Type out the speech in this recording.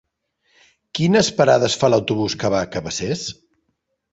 Quines parades fa l'autobús que va a Cabacés?